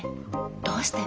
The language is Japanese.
どうして？